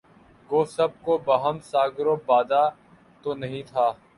گو سب کو بہم ساغر و بادہ تو نہیں تھا